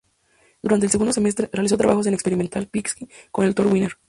Durante el segundo semestre, realizó trabajos en "Experimental physik"con el Dr. Wiener.